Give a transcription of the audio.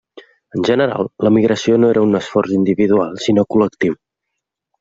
En general, la migració no era un esforç individual, sinó col·lectiu.